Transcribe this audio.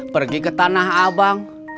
pergi ke tanah abang